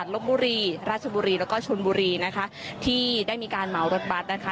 ลบบุรีราชบุรีแล้วก็ชนบุรีนะคะที่ได้มีการเหมารถบัตรนะคะ